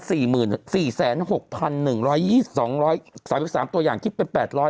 ๑ใส่ซอม๓๐๐ตัวอย่างใช้เป็น๘๐๐